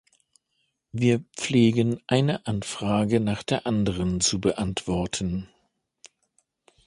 Wir pflegen eine Anfrage nach der anderen zu beantworten.